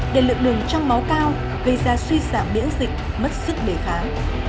để lượng đường trong máu cao gây ra suy giảm biễn dịch mất sức bề kháng